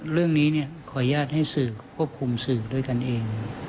เรื่องนี้ขออนุญาตให้สื่อควบคุมสื่อด้วยกันเอง